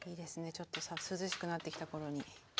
ちょっと涼しくなってきた頃に。